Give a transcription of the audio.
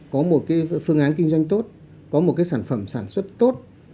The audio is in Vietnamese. có một cái phương án kinh doanh tốt có một cái sản phẩm sản xuất tốt